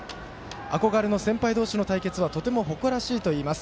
憧れの先輩同士の対戦はとても誇らしいといいます。